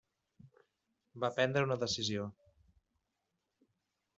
Va prendre una decisió.